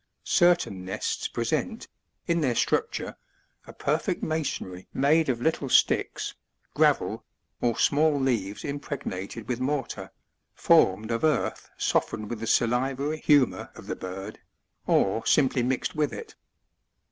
8. Certain nests present, in their structure, a perfect masonry made of little sticks, gravel, or small leaves impregnated with mortar, formed of earth softened with the salivary humor of the bird, or simply mixed with it.